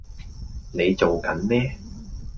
你做緊咩